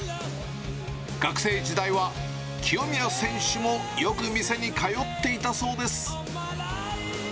学生時代は清宮選手もよく店に通っていたそうです。